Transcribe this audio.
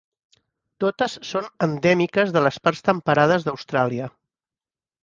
Totes són endèmiques de les parts temperades d'Austràlia.